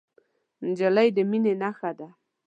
نجلۍ د مینې نښه ده.